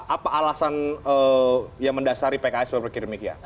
apa alasan yang mendasari pki seperti demikian